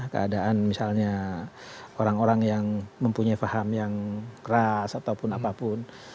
keadaan misalnya orang orang yang mempunyai faham yang keras ataupun apapun